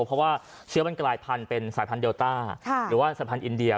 เพราะว่าเชื้อมันกลายพันธุ์เป็นสายพันธุเดลต้าหรือว่าสายพันธ์อินเดีย